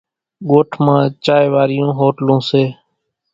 ڳوٺ مان چائيَ وارِيون هوٽلوُن سي۔